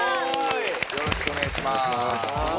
よろしくお願いします。